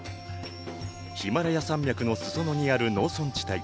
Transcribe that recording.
ヒマラヤ山脈の裾野にある農村地帯。